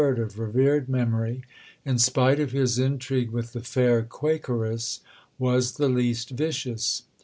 of "revered memory," in spite of his intrigue with the fair Quakeress, was the least vicious.